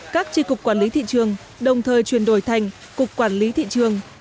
các tri cục quản lý thị trường đồng thời chuyển đổi thành cục quản lý thị trường